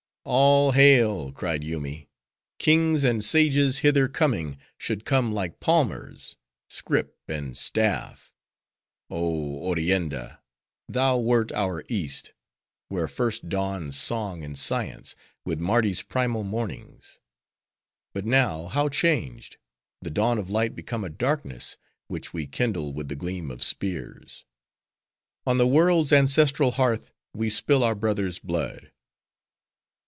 "All hail!" cried Yoomy. "Kings and sages hither coming, should come like palmers,—scrip and staff! Oh Orienda! thou wert our East, where first dawned song and science, with Mardi's primal mornings! But now, how changed! the dawn of light become a darkness, which we kindle with the gleam of spears! On the world's ancestral hearth, we spill our brothers' blood!"